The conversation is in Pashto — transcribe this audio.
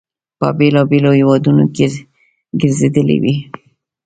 په بېلابېلو هیوادونو ګرځېدلی وي.